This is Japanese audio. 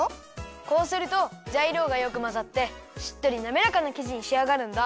こうするとざいりょうがよくまざってしっとりなめらかなきじにしあがるんだ。